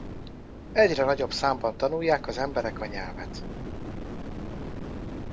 Egyre nagyobb számban tanulják az emberek a nyelvet.